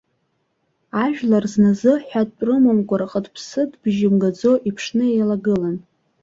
Ажәлар зназы ҳәатә рымамкәа, рҟыт-ԥсыт бжьы мгаӡо, иԥшны еилагылан.